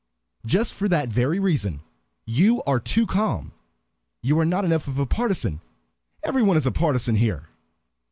"Just for that very reason; you are too calm. You are not enough of a partisan. Every one is a partisan here."